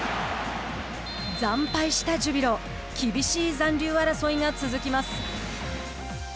惨敗したジュビロ、厳しい残留争いが続きます。